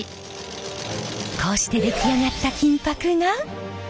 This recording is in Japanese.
こうして出来上がった金箔が。